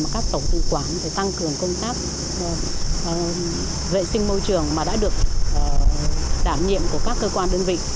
các tổ tư quán để tăng cường công tác vệ sinh môi trường mà đã được đảm nhiệm của các cơ quan đơn vị